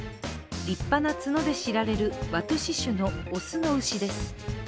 立派な角で知られるワトゥシ種の雄の牛です。